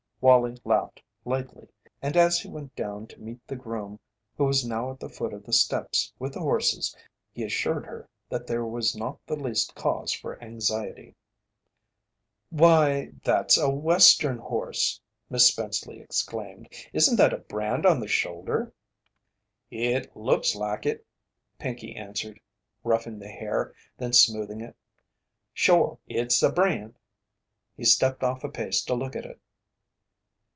Wallie laughed lightly, and as he went down to meet the groom who was now at the foot of the steps with the horses he assured her that there was not the least cause for anxiety. "Why, that's a Western horse!" Miss Spenceley exclaimed. "Isn't that a brand on the shoulder?" "It looks like it," Pinkey answered, ruffing the hair then smoothing it. "Shore it's a brand." He stepped off a pace to look at it.